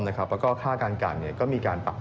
แล้วก็ค่าการกรรติก็มีการปรักตัว